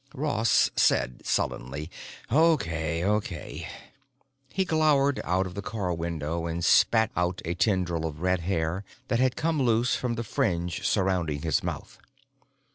Ross said sullenly, "Okay, okay." He glowered out of the car window and spat out a tendril of red hair that had come loose from the fringe surrounding his mouth.